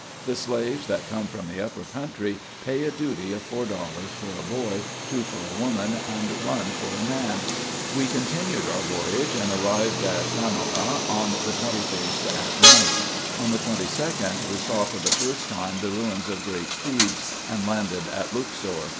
The slaves that come from the upper country pay a duty of four dollars for a boy, two for a woman, and one for a man. We continued our voyage, and arrived at Gamola on the 21st at night. On the 22d, we saw for the first time the ruins of great Thebes, and landed at Luxor.